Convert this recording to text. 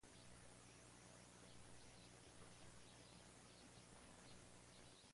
Por su temprana edad de fallecimiento no casó ni tuvo descendencia.